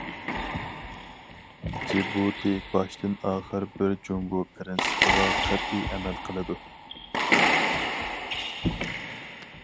جىبۇتى باشتىن- ئاخىر بىر جۇڭگو پىرىنسىپىغا قەتئىي ئەمەل قىلىدۇ.